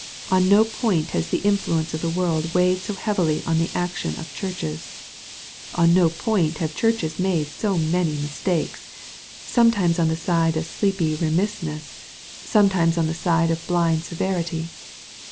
On no point has the influence of the world weighed so heavily on the action of Churches. On no point have Churches made so many mistakes — sometimes on the side of sleepy remissness^ sometimes on MATTHEW, CHAP. XVUI. 227 the side of bliad severity.